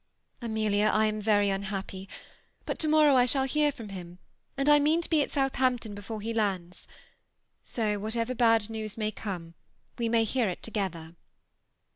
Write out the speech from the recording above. Amelia, I am very un happy; but to morrow I shall hear from him, and I mean to be at Southampton before he lands. So what ever bad new& may come, we may hear it together."